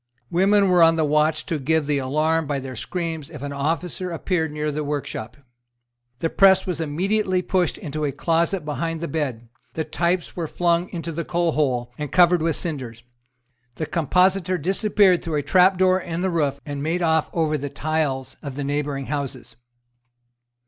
Women were on the watch to give the alarm by their screams if an officer appeared near the workshop. The press was immediately pushed into a closet behind the bed; the types were flung into the coalhole, and covered with cinders: the compositor disappeared through a trapdoor in the roof, and made off over the tiles of the neighbouring houses.